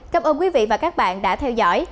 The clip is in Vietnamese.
cảm ơn quý vị và các bạn đã theo dõi